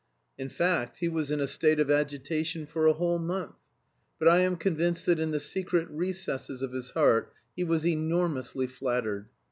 In fact he was in a state of agitation for a whole month, but I am convinced that in the secret recesses of his heart he was enormously flattered.